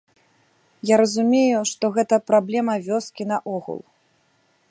Я разумею, што гэта праблема вёскі наогул.